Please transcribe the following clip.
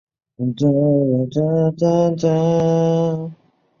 陕西户县人。